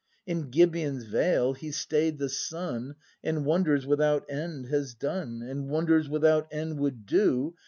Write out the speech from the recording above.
In Gibeon's vale He stay'd the sun. And wonders without end has done. And wonders without end would do.